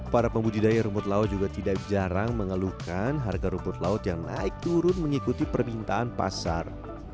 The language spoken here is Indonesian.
para pembudidaya rumput laut juga tidak jarang mengeluhkan harga rumput laut yang naik turun mengikuti permintaan pasar